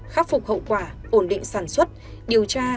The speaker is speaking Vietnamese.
khắc phục hậu quả ổn định sản xuất điều tra